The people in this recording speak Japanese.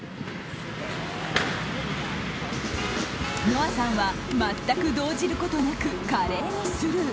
ノアさんは全く動じることなく華麗にスルー。